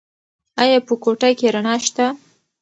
ایا په کوټه کې رڼا شته؟